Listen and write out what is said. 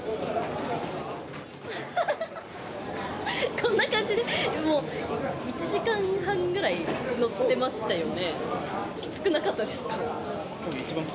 こんな感じで一時間半ぐらい乗ってましたよね。